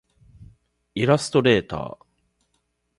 イラストレーター